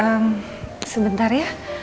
ehm sebentar ya